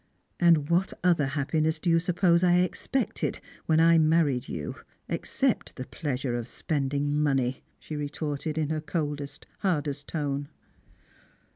" What other happiness do you suppose I expected when I married you, except the pleasure of spending money?" she re torted, in her coldest, hardest tone.